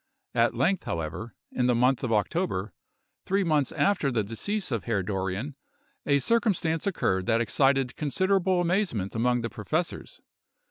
At length, however, in the month of October, three months after the decease of Herr Dorrien, a circumstance occurred that excited considerable amazement among the professors.